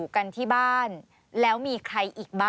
ใครอีกนะคะขออีกทีค่ะ